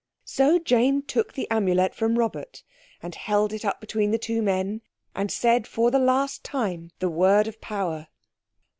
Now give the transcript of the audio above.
So Jane took the Amulet from Robert and held it up between the two men, and said, for the last time, the word of Power.